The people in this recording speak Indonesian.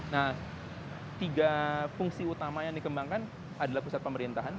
nah tiga fungsi utama yang dikembangkan adalah pusat pemerintahan